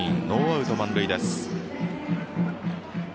ノーアウト満塁です。